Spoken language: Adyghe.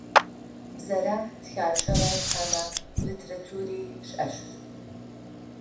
Бзэрэ тхакӏэрэ щыӏэмэ литератури щыӏэщт.